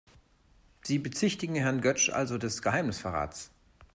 Sie bezichtigen Herrn Götsch also des Geheimnisverrats?